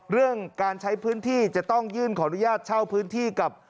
เรื่องการใช้พื้นที่จะต้องยื่นขออนุญาตเช่าพื้นที่กับ